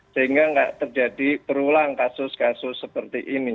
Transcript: sehingga nggak terjadi berulang kasus kasus seperti ini